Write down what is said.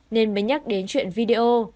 nên mới nhắc đến chuyện video